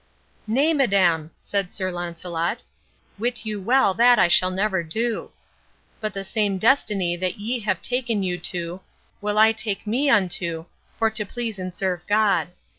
"Nay, madam," said Sir Launcelot, "wit you well that I shall never do; but the same destiny that ye have taken you to will I take me unto, for to please and serve God."